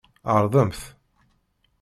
Ɛerḍemt!